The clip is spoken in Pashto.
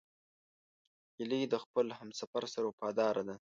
هیلۍ د خپل همسفر سره وفاداره ده